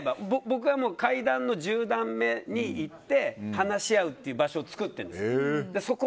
僕は階段の１０段目に行って話し合うっていう場所を作ってるんですよ。